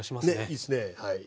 いいっすね。